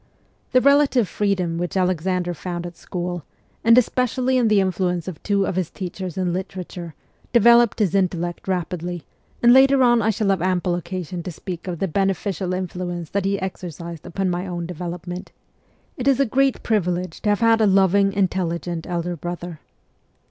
The relative freedom which Alexander found at school, and especially the influence of two of his teachers in literature, developed his intellect rapidly, and later on I shall have ample occasion to speak of the beneficial influence that he exercised upon my own development. It is a great privilege to have had a loving, intelligent elder brother.